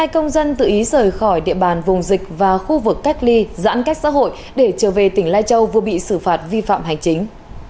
hai công dân tự ý rời khỏi địa bàn vùng dịch và khu vực cách ly giãn cách xã hội để trở về tỉnh lai châu vừa bị xử phạt vi phạm hành chính